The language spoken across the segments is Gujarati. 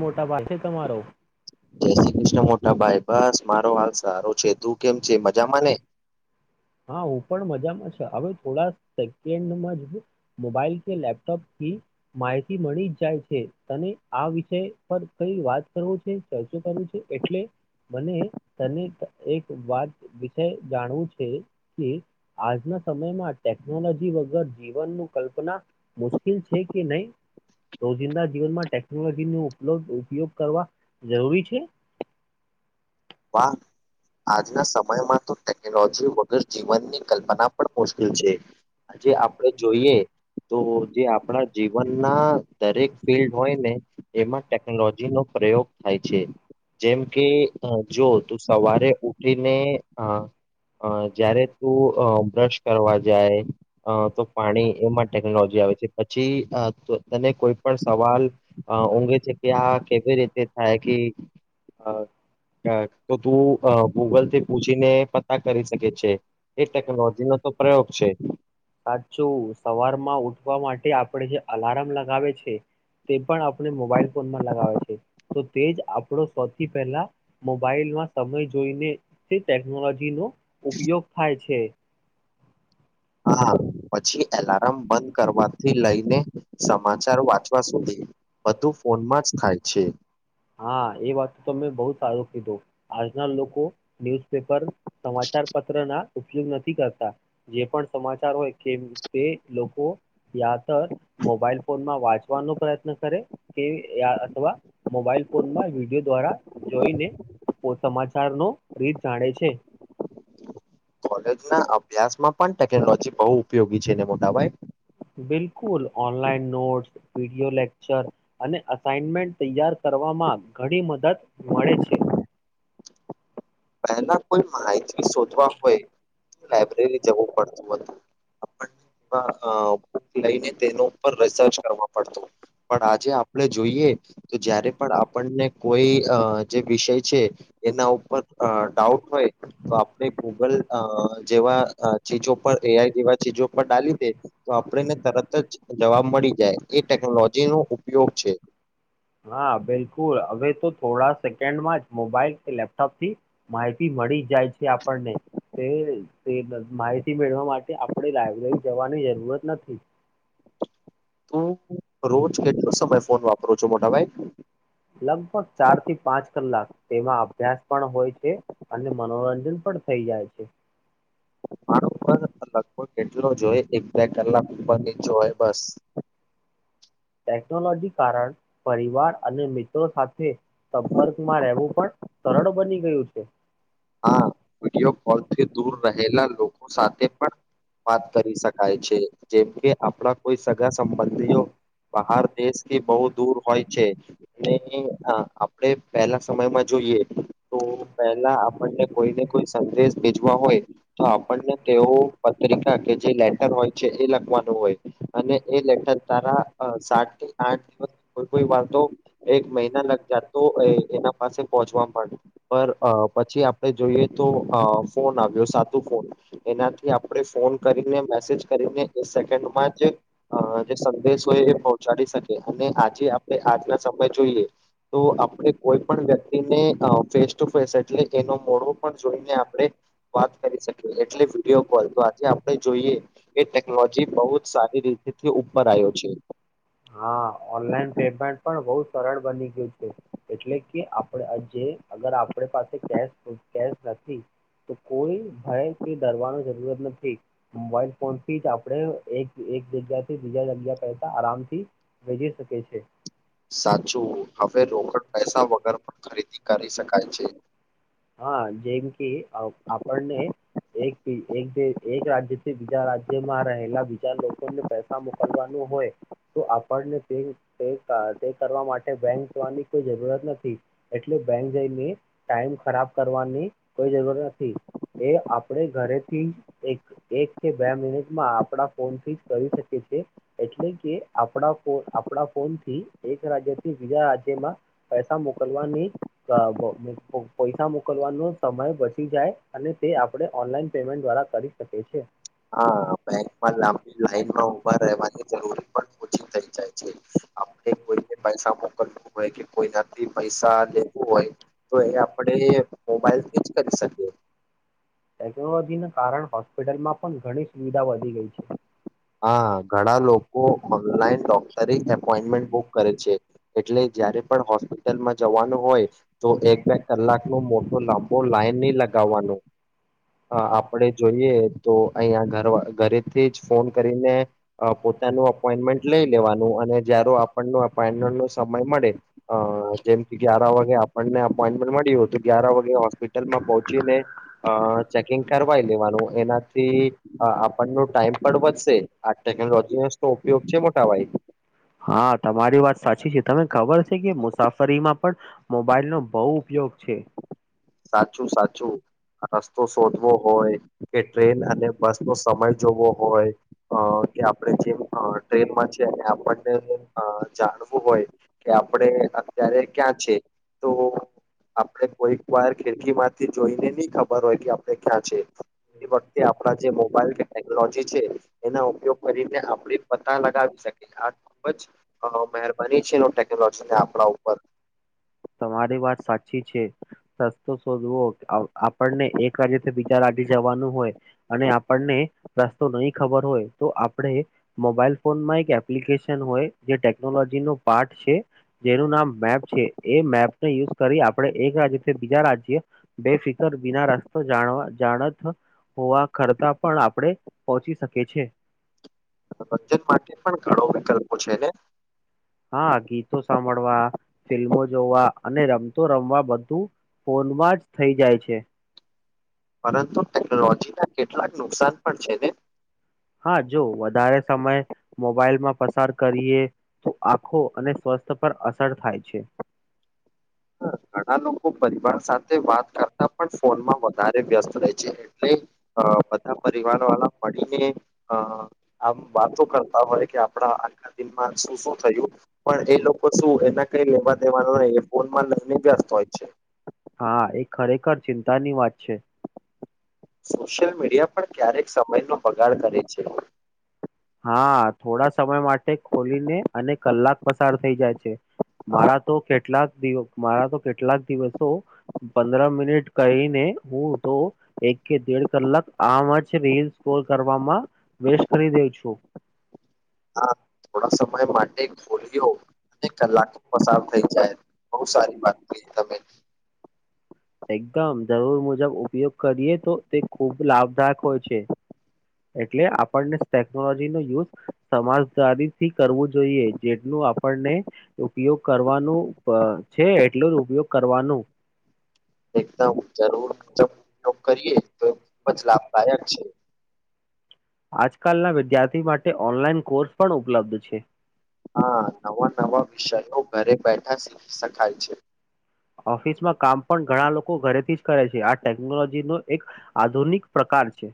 મોટા ભાગ છે તમારો. જય શ્રી કૃષ્ણ મોટા ભાઈ બસ મારો હાલ સારો છે તું કેમ છે મજામાં ને. હા હું પણ મજામાં છે હવે થોડા સેકન્ડમાં જ મોબાઈલ કે લેપટોપ માહિતી મળી જ જાય છે તને આ વિષય પર કઈ વાત કરવો છે કેજો કરું છે એટલે મને તને એક વાત વિષય જાણવું છે કે આજના સમયમાં ટેકનોલોજી વગર જીવન નુ કલ્પના મુશકિલ છે. છે કે નહી રોજિંદા જીવન માં ટેકનોલોજી નો ઉપયોગ ઉપયોગ કરવા જરૂરી છે. [inaudible] વા આજના સમયમાં તો ટેકનોલોજી વગર જીવનની કલ્પના પણ મુશ્કેલ છે આજે આપડે જોઈએ તો જે આપણા જીવન ના દરેક ફિલ્ડ હોય ને એમાં ટેકનોલોજી નો પ્રયોગ થાય છે જેમ કે અ જો તું સવારે ઉઠીને હ અ જયારે તું અ બ્રશ કરવા જાય અ તો પાણી એમાં ટેકનોલોજી આવે છે પછી તને કોઈ પણ સવાલ આ ઊઘે છે કે આ કેવી રીતે થાય કી અ. તો તું અ ગૂગલથી પૂછીને પતા કરી શકે છે એ ટેકનોલોજી નુ પ્રયોગ છે. સાચું સવારમાં ઉઠવા માટે આપડે જે અલાર્મ લગાવે છે. તે પણ આપણે મોબાઈલ ફોનમાં લગાવે છે તો તે જ આપણો સૌથી પહેલા મોબાઈલ તેમાં સમય જોઈને તે ટેકનોલોજીનો ઉપયોગ થાય છે. હા પછી એલાર્મ બંધ કરવાથી લઈને સમ માચાર વાંચવા સુધી બધુ ફોનમાં જ થાય છે. હા એ વાત તો તમે બહુ સારું કીધું. આજના લોકો ન્યુઝપેપર સમાચાર પત્રના ઉપયોગ નથી કરતા. જે પણ સમાચાર હોય કેમ તે લોકો યાતર મોબાઈલ ફોનમાં વાંચવાનો પ્રયત્ન કરે કે અથવા મોબાઈલ ફોનમાં વિડીયો દ્વારા જોઈને તો સમાચારનો રીત જાણે છે. કોલેજના અભ્યાસમાં પણ ટેકનોલોજી બહુ ઉપયોગી છેને મોટા ભાઈ? બિલકુલ ઓનલાઈન નોટ્સ, વીડીઓ લેક્ચર અને અસાઇનમેન્ટ તૈયાર કર કરવામાં ઘણી મદદ મળે છે. પહેલા કોઈ માહિતી શોધવા હોય તો લાયબ્રેરી જવું પડતું હતું. બટ અ લઈને તેનો ઉપર રિસર્ચ કરવા પડતું. પણ આજે આપણે જોઈએ તો જયારે પણ આપણને કોઈ અ જે વિષય છે એના ઉપર અ ડાઉટ હોય તો આપણે ગૂગલ અ જેવા અ પર એઆઈ જેવા ચીજો પર ડાલી દે તો આપણને તરત જ જવાબ મળી જાય એ ટેકનોલોજી તેનો ઉપયોગ છે. હા બિલકુલ હવે તો થોડા સેકન્ડમાં જ મોબાઈલ કે લેપટોપથી માહિતી મળ મળી જાય છે આપણને તે તે માહિતી મેળવવા માટે આપણે લાયબ્રેરી જવાની જરૂરત નથી. [inaudible] તું રોજ કેટલો સમય ફોન વાપરો છો મોટાભાઈ? લગભગ ચાર થી પાંચ કલાક તેમાં અભ્યાસ પણ હોય છે. અને મનોરંજન પણ પણ થઈ જાય છે. મારો પણ લગભગ એટલો જ હોય એક બે કલાક. [inaudible] બસ ટેકનોલોજી કારણ, પરિવાર અને મિત્રો સાથે સંપર્કમાં રહેવું પણ સ સરળ બની ગયું છે. હા વિડીયો કોલથી દૂર રહેલા લોકો સાથે પણ વાત કરી શકાય છે. જેમ કે આપણા કોઈ સગા સંબંધીઓ બહાર દેશ કે બહુ દૂર હોય છે ને અ આપ આપણે પહેલા સમયમાં જોઈએ તો પેહલા આપ ને કોઈને કોઈ સંદેશ ભેજવા હોય તો આપણને તેઓ પત્રિકા કે જે લેટર હોય છે એ લખવાનું હોય અને એ લેટર તારા અ સાત થી આઠ દિવસ કોઈ કોઈ વાર તો એક મહિના લગ જા તો એ એના પાસે પહોંચવા પડે પર અ પછી આપણે જોઈએ તો અ ફોન આવ્યો સાદું ફોન એનાથી આપણે ફોન કરીને મેસેજ કરીને એ સેકન્ડમાં જ અ જે સંદેશ હોય એ પહોંચાડી શકે. અને આજે આપણે આજના સમય જોઈએ તો આપણે કોઈ પણ વ્યક્તિને અ ફેસ ટુ ફેસ એટલે એનો મોડો પણ જોઈને આપણે વાત કરી શકીએ. એટલે વિડીયો કોલ તો આજે આપણે જોઈએ કે એ ટેકનોલોજી બહુ જ સારી રીતેથી ઉપર આયો છે. હા ઓનલાઈન પેમેન્ટ પણ બહુ સરળ બની ગયું છે. એટલે કે આપડ અ જે અગર આપ આપણ પાસે કેશ અ કેશ નથી તો કોઈ ભય કે ડરવાનો જરૂરત નથી. મોબાઈલ ફોનથી જ આપણે એક એક જગ્યાથી બીજા જગ્યા પૈસા આરામથી ભેજી શકીએ છે. સાચું હવે રોકડ પૈસા વગર પણ ખરીદી કરી શકાય છે. હા જેમ કે અ આપણને એક એક બે એક રાજ્યથી બીજા રાજ્યમાં રહેલા બીજા લોકોને પૈસા મોકલવાનું [inaudible] તો આપણને [unintelligible] કરવા માટે બેંક જવાની કોઈ જરૂરત નથી. બેંક જઈને ટાઈમ ખરાબ કરવાની કોઈ જરૂર નથી. એ એટલે કે આપણા [unintelligible] આપણા ફોન થી એક રાજ્યથી બીજા રાજ્યમાં. પૈસા મોકલવાની પૈસા મોકલવાનો સમય બચી જાય અને તે આપણે ઓનલાઈન પેમેન્ટ દ્વારા કરી શકી છે. હા બેંકમાં લાંબી લાઈન માં ઉભા રહેવાની જરૂરી પણ ઓછી થઈ જાય છે. આપણે કોઈને પૈસા મોકલવું હોય કે કોઈના. પૈસા લેવું હોય તો એ આપણે મોબાઈલથી જ કરી શકીએ. ટેકનોલોજીના કારણે હોસ્પિટલમાં પણ ઘણી સુવિધા વધી ગઈ છે. હા ઘણા લોકો ઓનલાઈન ડોક્ટરી એપોઈન્ટમેન્ટ બુક કરે છે. એટલે જયારે પણ હોસ્પિટલમાં જવાનું હોય. તો એક બે કલાક નો મોટો લાંબો લાઈન નહી લગાવવાનો. હ આપડે જોઈએ તો [unintelligible] ઘર ઘરેથી જ ફોન. [unintelligible] પોતાનું અપમેન્ટ લઈ લેવાનું અને જ [unintelligible] ન સમય જેમ ગાર વાગે આપણને અપોઈન્ટમેન્ટ મળી હો તો ગ્યાર વાગે હોસ્પિટલમાં પહચી. [unintelligible] કરવા લેવાનું એનાથી આપ ટાઈમ પણ વધ [unintelligible] આ ટેકનોલોજી તો ઉપયોગ છે, મોટા ભાઈ. હા તમારી વાત સાચી છે, તને ખબર છે, કે મુસાફરીમાં પણ મોબાઈલ નો બહુ ઉપયોગ. [unintelligible] છે. સાચું સાચું. રસ્તો શોધવો હોય કે ટ્રેન અને બસ નો સમય જોવો હોય અ કે આપડે [unintelligible] અ ટ્રેનમાં છે, અને આપણને અ જાણવું હોય કે આપણે અત્યારે [unintelligible] છે, તો આપણે કોઈ. વાર ખિડકી માંથી જોઈને નઈ ખબર હોય કે [unintelligible] ક્યાં છે. તી વખતે આપ જે મોબાઈલ કે ટેકનોલોજી છે, એના ઉપયોગ કરીને આપડી પતા લગાવી શકી. આ ખુબ જ મહેરબાની છે, ટેકનોલોજીને આપણા ઉપર. તમારી વાત સાચી છે. [unintelligible] શોધવો આપણને એક રાજ્યથી બીજા રાજ્યે જવાનું હોય અને આપણને. રસ્તો નહી ખબર હોય તો આપણે મોબાઈલ ફોનમાં એક એપ્લિકેશન હોય તે ટેનોલોજી નું પાર્ટ છે, જેનું નામ મેપ છે. એ મેપને યુઝ કરી આપણે એક રાજ્યથી બીજા રાજ્ય બેફિકર બીના રસ્તો જાણવા. જાણથ હોવા કરતા પણ આપણે પહોચી શકીએ છેએ. [unintelligible] માટે પણ ઘણો વિકલ્પો છે, ને હા ગીતો સાંભળવા તું ફોનમાં જ થઈ જાય છે. પરંતુ ટેકનોલોજી ના કેટલાક નુકસાન પણ છે, ને હા જો વધારે સમય મોબાઈલમાં પસાર કરીએ તો આખો અને [unintelligible] [unintelligible] પર અસર થાય છે. ઘણા લોકો પરિવાર સાથે વાત કરતા પણ ફોનમાં વધારે વ્યસ્ત રહે છે, એટલે બધા પરિવારવાળા મળીને અ આમ વાતો કરતા હોય કે આપડા આ દિન શું શું થયું પણ એ લોકો શું એના કઈ એેવા દેવાનું [unintelligible] હા એ ખરેખર ચિંતા ની વાત છે. સોશિયલ મીડિયા પણ ક્યારેક સમયનો બગાડ કરે છે. હા થોડા સમય માટે ખોલીને. અને કલાક પસાર થઈ જાય છે, હા મારા તો કેટલાક. [unintelligible] દિવ મારા તો કેટલાક દિવસો પંદરા મિનિટ કહીને હું તો એક. કે દેઢ કલાક આ જ રીલ સ્કોર કરવામાં વેસ્ટ કરી [unintelligible] છું. તો હા થોડા સમય માટે ખોલ્યો. અને કલાક પસાર થઈ જાય બોવ સારી વાત કયરી તમે. એકદમ જરૂર મુજબ ઉપયોગ કરીએ તો તે ખૂબ લાભદાયક હોય છે. એટલે આપણને ટેકનોલોજીનો યુઝ સમજદારી થી કરવું જોઈએ. જેટલુ આપણને ઉપયોગ કરવાનું પ છે એટલું જ ઉપયોગ કરવાનું. એકદમ જરૂર મુજબ ઉપયોગ કરીએ તો ખુબ જ લાભદાયક છે. આજકાલના વિદ્યાર્થી માટે ઓનલાઈન કોર્સ પણ ઉપલબ્ધ છે. હા, નવા નવા વિષયો ઘરે બેઠા શીખી શકાય છે. ઓફિસમાં કામ પણ ઘણા લોકો ઘરેથી જ કરે છે આ ટેકનોલોજી નો એક આધુનિક પ્રકાર પણ છે.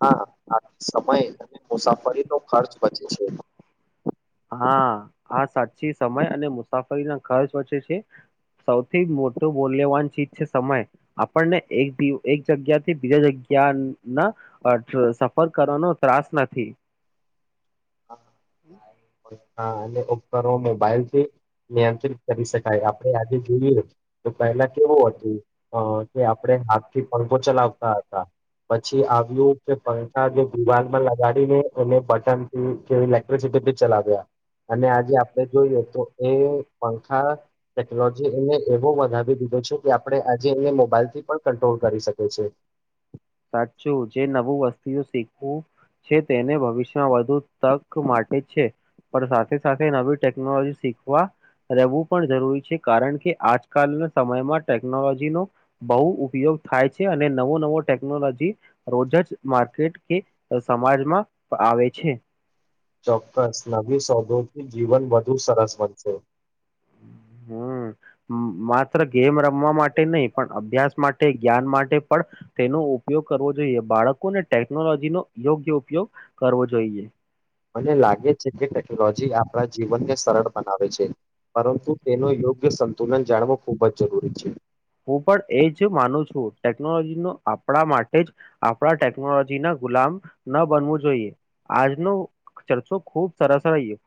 હા, આ સમય અને મુસાફરીનો ખર્ચ બચે છે. હા, આ સાચી સમય અને મુસાફરી ના ખર્ચ બચે છે સૌથી મોટું મૂલ્યવાન ચીજ છે સમય આપણને એક દીયુ એક જગ્યાથી બીજા જગ ક્યાં ના અ જ સફર કરવાનો ત્રાસ નથી. હા. હમ્મ. હા, અને ઉપકરણો મોબાઈલ થી નિયંત્રિત કરી શકાય આપડે આજે જોઈએ તો પહેલા કેવું હતું અહ કે આપડે હાથથી પડઘો ચલાવતા હતા પછી આવ્યું કે પૈસા જે ગુબલમાં લગાડીને એને બટન થી કે ઇલેક્ટ્રિસિટી બિલ ચલાવ્યા અને આજે આપડે જોઈએ તો એ પંખા ટેકનોલોજી એને એવો વધાવી દીધો છે કે આપડે આજે એને મોબાઈલ થી પણ કંટ્રોલ કરી શકે છે. સાચું જે નવું વસ્તીઓ શીખવું છે તેને ભવિષ્યમાં વધુ તક માટે છે. પણ સાથે સાથે નવી ટેકનોલોજી શીખવા રહેવું પણ જરૂરી છે કારણ કે આજકાલના સમયમાં ટેકનોલોજીનો બહુ ઉપયોગ થાય છે અને નવો નવો ટેકનોલોજી રોજજ માર્કેટ કે અહ સમાજમાં આવે છે. ચોક્કસ નવી સોધોથી જીવન વધુ સરસ બનશે. હમ્મ, માત્ર ગેમ રમવા માટે નહી પણ અભ્યાસ માટ ટે જ્ઞાન માટે પણ તેનો ઉપયોગ કરવો જોઈએ, બાળકોને ટેકનોલોજીનોો યોગ્ય ઉપયોગ કરવો જોઈએ. મને લાગે છે કે ટેકનોલોજી આપણા જીવનને સરળ બનાવે છે. પરંતુ તેનો યોગ્ય સંતુલન જાણવો ખૂબ જ જરૂરી છે. હું પણ એ જ માનું છું. ટેકનોલોજી નો આપણા માટે જ આપણા ટેકનોલોજી ના ગુલામ ન બનવું જોઈએ. આજનો ચર્ચો ખુબ સરસ રયો.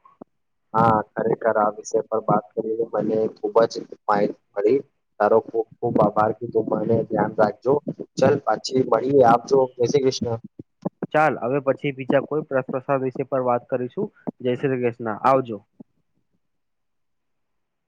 હા ખરેખર આ વિષય પર વાત કરી મને ખુબ જ માહિતી મળી ધારો ખૂબ ખૂબ આભારથી તું મને ધ્યાન રાખી જો ચલ વચી મળીએ આપ જો, જયસે કૃષ્ણ. ચાલ હવે પછી બીજા કોઈ પ્રસદ વિશે પર વાત કરીશું, જય શ્રી કૃષ્ણ આવજો.